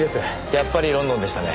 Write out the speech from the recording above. やっぱりロンドンでしたね。